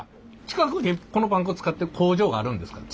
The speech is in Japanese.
近くにこのパン粉作ってる工場があるんですか？